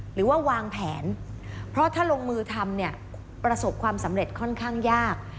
หรือว่าวางแผนเพราะถ้าลงมือทำเนี่ยประสบความสำเร็จค่อนข้างยาก